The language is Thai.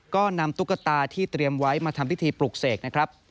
ก็นำตุ๊กตาที่เตรียมไว้มาทำพิธีปลุกเสกนะครับ